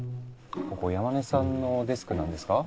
ここ山根さんのデスクなんですか？